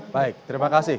baik terima kasih